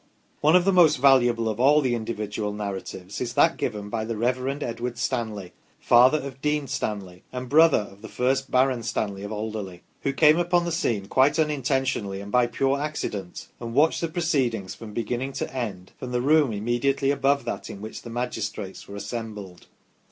One of the most valuable of all the individual narratives is that given by the Rev. Edward Stanley, father of Dean Stanley, and brother of the first Baron Stanley of Alderley, who came upon the scene quite unintentionally and by pure accident, and watched the proceedings from beginning to end from the room immediately above that in which the magistrates were assembled.